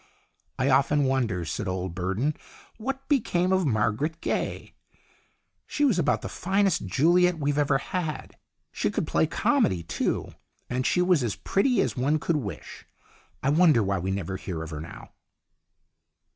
"I often wonder," said old Burden, " what became of Mar garet Gaye. She was about the finest Juliet we've ever had. She could play comedy too, and she was as pretty as one could wish. I wonder why we never hear of her now."